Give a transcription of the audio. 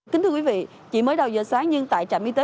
kính thưa quý vị chỉ mới đầu giờ sáng nhưng tại trạm y tế